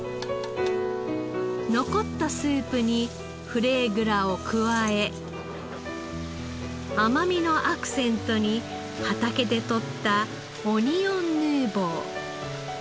残ったスープにフレーグラを加え甘みのアクセントに畑で取ったオニオンヌーボー。